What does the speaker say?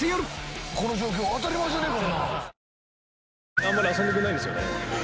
あんまり遊んでくれないんですよね。